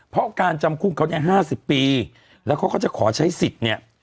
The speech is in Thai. เพราะการจำคุกเขาเนี่ย๕๐ปีแล้วเขาก็จะขอใช้สิทธิ์เนี่ย